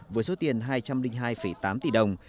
với số tiền hai trăm linh hai tám tỷ đồng